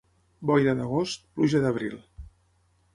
Boira d'agost, pluja d'abril.